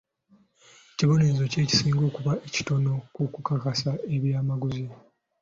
Kibonerezo ki ekisinga okuba ekitono ku kukusa eby'amaguzi?